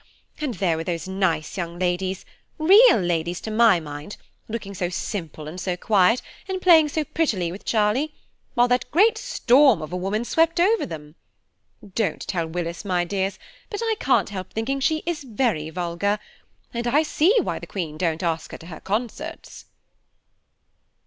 And there were those nice young ladies, real ladies to my mind, looking so simple and so quiet, and playing so prettily with Charlie, while that great storm of a woman swept over them. Don't tell Willis, my dears, but I can't help thinking she is very vulgar: and I see why the Queen don't ask her to her concerts."